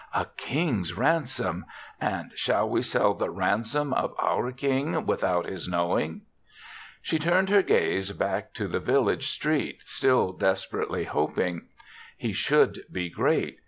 "A king's ransom! And shall we 12 THE SEVENTH CHRISTMAS sell the ransom of our King without his knowing? She turned her gaze back to the village street, still desperately hop ing. He should be great.